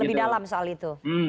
lebih dalam soal itu